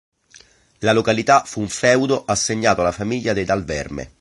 La località fu un feudo assegnato alla famiglia dei Dal Verme.